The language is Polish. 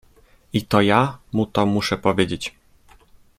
I to ja mu to muszę powiedzieć.